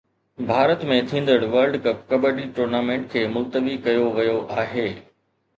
ڀارت ۾ ٿيندڙ world cup kabaddi tournament کي ملتوي ڪيو ويو آهي